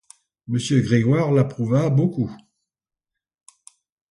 Monsieur Grégoire l'approuva beaucoup.